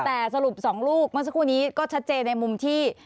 แต่สรุป๒ลูกเมื่อสักครู่นี้ก็ชัดเจนในมุมที่